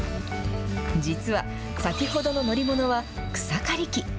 実は、先ほどの乗り物は、草刈り機。